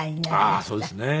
ああーそうですね。